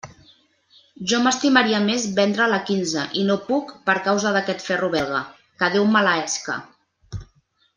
Jo m'estimaria més vendre'l a quinze i no puc per causa d'aquest ferro belga, que Déu maleesca.